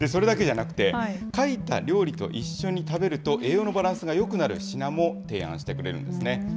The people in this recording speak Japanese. それだけじゃなくて、描いた料理と一緒に食べると、栄養のバランスがよくなる品も提案してくれるんですね。